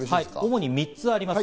主に３つあります。